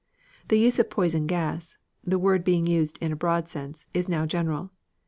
The use of poison gas, the word being used in its broad sense, is now general.